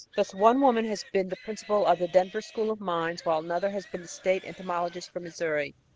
Thus one woman has been the principal of the Denver School of Mines, while another has been the state entomologist for Missouri.